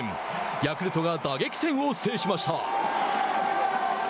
ヤクルトが打撃戦を制しました。